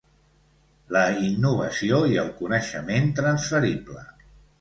La innovació i el coneixement transferible.